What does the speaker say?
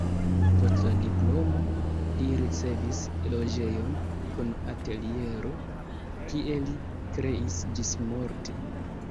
Post la diplomo li ricevis loĝejon kun ateliero, kie li kreis ĝismorte.